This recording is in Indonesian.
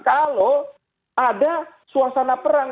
kalau ada suasana perang